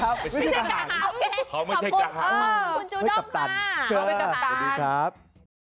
ไม่มีกระด้งโอเคขอบคุณคุณคุณจูนด้องค่ะเครื่องเป็นกัปตัน